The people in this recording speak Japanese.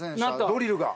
ドリルが。